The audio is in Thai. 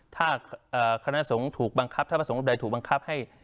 ถ้าคณะสงฆ์ถูกบังคับถ้าพระสงฆ์รูปใดถูกบังคับให้